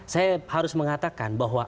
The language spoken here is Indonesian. saya harus mengatakan bahwa